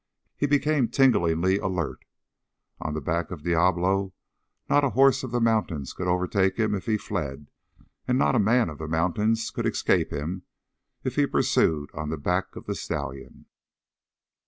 He became tinglingly alert. On the back of Diablo not a horse of the mountains could overtake him if he fled; and not a man of the mountains could escape him if he pursued on the back of the stallion.